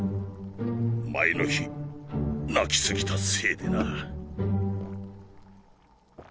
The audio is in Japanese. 前の日泣きすぎたせいでな。